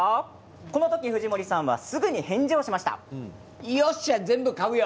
この時、藤森さんはすぐに返事をしました。